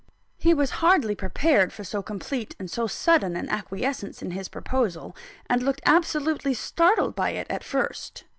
He was hardly prepared for so complete and so sudden an acquiescence in his proposal, and looked absolutely startled by it, at first.